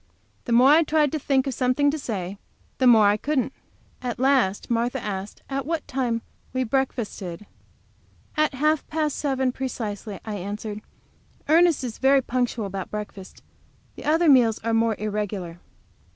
The more I tried to think of something to say the more I couldn't. At last Martha asked at what time we breakfasted. "At half past seven, precisely," I answered. "Ernest is very punctual about breakfast. The other meals are more irregular."